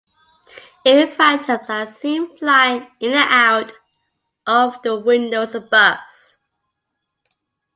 Eerie phantoms are seen flying in and out of the windows above.